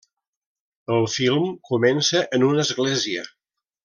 El film comença en una església.